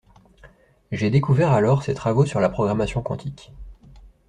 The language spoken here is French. J’ai découvert alors ses travaux sur la programmation quantique